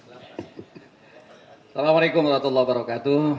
assalamu'alaikum warahmatullahi wabarakatuh